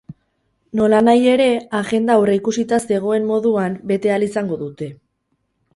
Nolanahi ere, agenda aurrikusita zegoen moduan bete ahal izango dute.